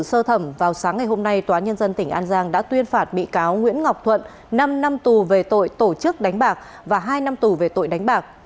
trong sơ thẩm vào sáng ngày hôm nay tòa nhân dân tỉnh an giang đã tuyên phạt bị cáo nguyễn ngọc thuận năm năm tù về tội tổ chức đánh bạc và hai năm tù về tội đánh bạc